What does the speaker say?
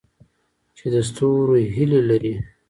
چې د ستورو هیلې لري؟